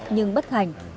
nhưng bất hành